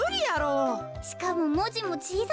しかももじもちいさすぎる。